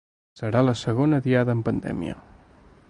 Serà la segona diada amb pandèmia.